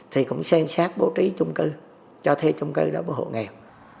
thì cũng xem xét bố trí chung cư cho thê chung cư đó với hộ nghèo